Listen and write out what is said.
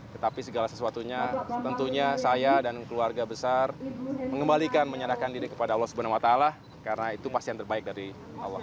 tetapi segala sesuatunya tentunya saya dan keluarga besar mengembalikan menyerahkan diri kepada allah swt karena itu pasti yang terbaik dari allah